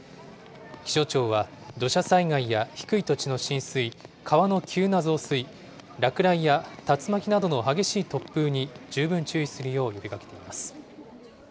気象庁は土砂災害や低い土地の浸水、川の急な増水、落雷や竜巻などの激しい突風に十分注意するよ